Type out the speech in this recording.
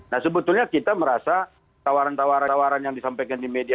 nah sebetulnya kita merasa tawaran tawaran tawaran yang disampaikan di media